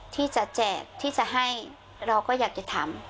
ที่จะแจกที่จะให้เราก็อยากจะทำ